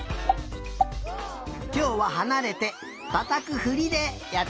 きょうははなれてたたくふりでやってみるよ。